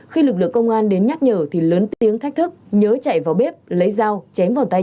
khi lực lượng công an đến nhắc nhở thì lớn tiếng thách thức nhớ chạy vào bếp lấy dao chém vào tay